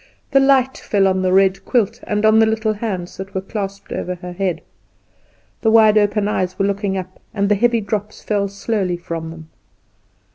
The light fell on the red quilt, and the little hands that were clasped over the head. The wide open eyes were looking up, and the heavy drops fell slowly from them.